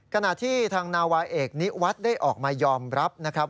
ขณะที่ทางนาวาเอกนิวัฒน์ได้ออกมายอมรับนะครับ